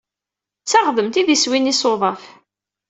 D taɣdemt i d iswi n yisuḍaf.